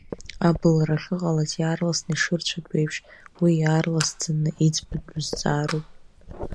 Абылра ахьыҟалаз иаарласны ишырцәатәу еиԥш, уи иаарласӡаны иӡбатәу зҵаароуп.